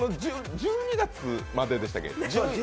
１２月まででしたっけ？